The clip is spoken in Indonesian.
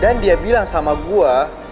dan dia bilang sama gua